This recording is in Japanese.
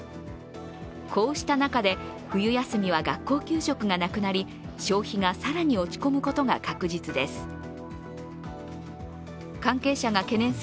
こうした中で冬休みは学校給食がなくなり消費が更に落ち込むことが確実です。